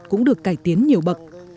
cũng được cải tiến nhiều bậc